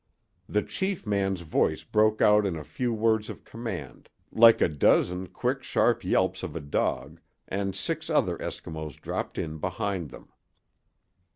The chief man's voice broke out in a few words of command, like a dozen quick, sharp yelps of a dog, and six other Eskimos dropped in behind them.